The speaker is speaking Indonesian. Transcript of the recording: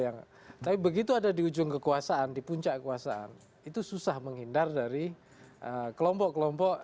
yang tapi begitu ada di ujung kekuasaan di puncak kekuasaan itu susah menghindar dari kelompok kelompok